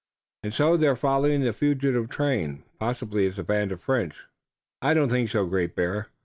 "And so they're following the fugitive train. Possibly it's a band of French." "I do not think so, Great Bear.